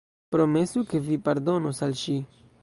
Promesu, ke vi pardonos al ŝi!